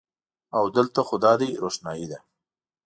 او د لته خو دادی روښنایې ده